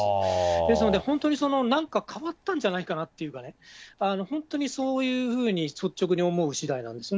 ですので、本当になんか変わったんじゃないかなっていうかね、本当にそういうふうに率直に思うしだいなんですね。